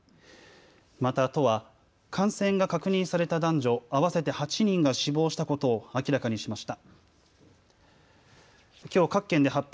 また都は感染が確認された男女合わせて８人が死亡したことを明らかにしました。